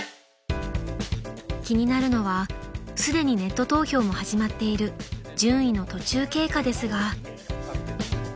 ［気になるのはすでにネット投票も始まっている順位の途中経過ですが］